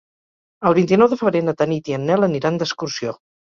El vint-i-nou de febrer na Tanit i en Nel aniran d'excursió.